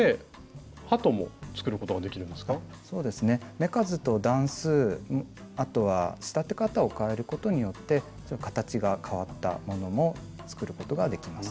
目数と段数あとは仕立て方を変えることによって形が変わったものも作ることができます。